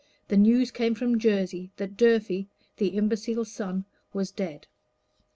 The news came from Jersey that Durfey, the imbecile son, was dead.